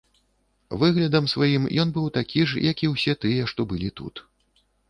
Выглядам сваім ён быў такі ж як і ўсе тыя, што былі тут.